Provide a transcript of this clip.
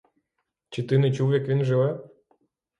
Чи ти не чув, як він живе?